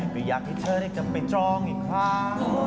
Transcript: ไม่อยากให้เธอได้กลับไปจองอีกครั้ง